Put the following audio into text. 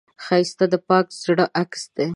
ښایست د پاک زړه عکس دی